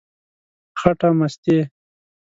خټه مستې،